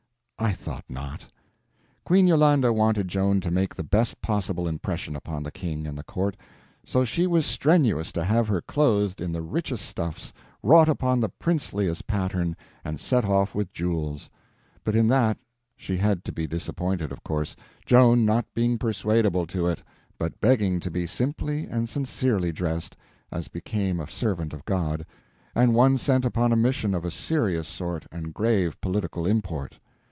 I thought not. Queen Yolande wanted Joan to make the best possible impression upon the King and the Court, so she was strenuous to have her clothed in the richest stuffs, wrought upon the princeliest pattern, and set off with jewels; but in that she had to be disappointed, of course, Joan not being persuadable to it, but begging to be simply and sincerely dressed, as became a servant of God, and one sent upon a mission of a serious sort and grave political import.